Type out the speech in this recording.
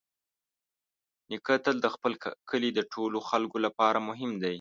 نیکه تل د خپل کلي د ټولو خلکو لپاره مهم دی.